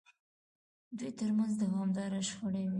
دوی ترمنځ دوامداره شخړې وې.